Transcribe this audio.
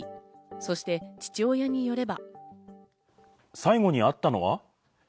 そして父親によれば。